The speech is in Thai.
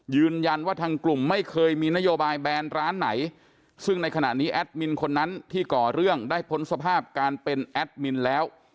ยืนยันว่าทางกลุ่มไม่เคยมีนโยบายแบนร้านไหนซึ่งในขณะนี้แอดมินคนนั้นที่ก่อเรื่องได้พ้นสภาพการเป็นแอดมินแล้ว